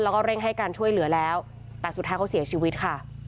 แล้วก็เร่งให้การช่วยเหลือแล้วแต่สุดท้ายเขาเสียชีวิตค่ะ